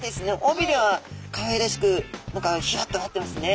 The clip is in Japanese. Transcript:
尾びれはかわいらしく何かヒラっとなってますね。